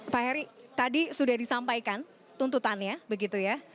pak heri tadi sudah disampaikan tuntutannya begitu ya